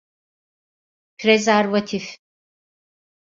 Prezervatif…